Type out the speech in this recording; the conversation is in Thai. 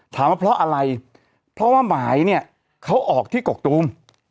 ถามว่าเพราะอะไรเพราะว่าหมายเนี่ยเขาออกที่กกตูม